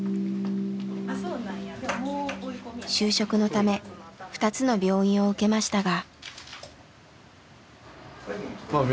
就職のため２つの病院を受けましたが。